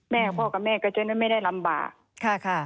แม่พ่อกับแม่ก็จะไม่ได้ลำบาก